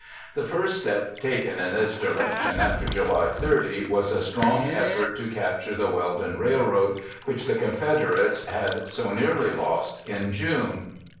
The first step taken in this direction after July 30 was a strong effort to capture the Weldon Railroad, which the Confederates had so nearly lost in June.